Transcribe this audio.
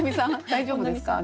大丈夫ですか？